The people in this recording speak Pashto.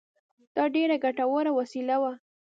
دا ډېره ګټوره وسیله وه.